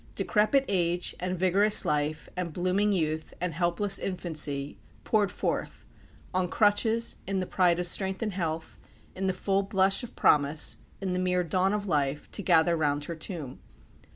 Decrepit age, and vigorous life, and blooming youth, and helpless infancy, poured forth on crutches, in the pride of strength and health, in the full blush of promise, in the mere dawn of life to gather round her tomb.